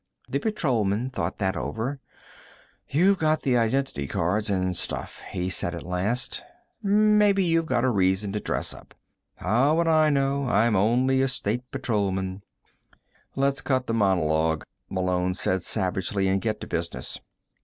The patrolman thought that over. "You've got the identity cards and stuff," he said at last. "Maybe you've got a reason to dress up. How would I know? I'm only a State Patrolman." "Let's cut the monologue," Malone said savagely, "and get to business."